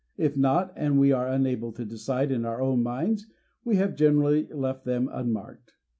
If not, and we are unable to decide in our own minds, we have generally left them unmarked.